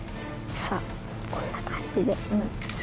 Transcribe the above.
さぁこんな感じで。